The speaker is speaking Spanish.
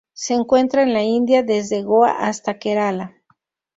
Se encuentra en la India: desde Goa hasta Kerala.